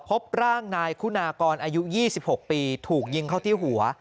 พบร่างนายคุณากรอายุ๒๖ปีถูกยิงเข้าที่หัว